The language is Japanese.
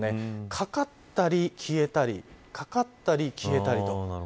かかったり、消えたりかかったり、消えたりと。